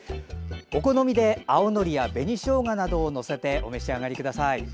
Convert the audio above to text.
お好みで青のりや紅しょうがなどを載せてお召し上がりください。